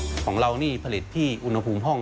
ของเรานี่ผลิตที่อุณหภูมิห้อง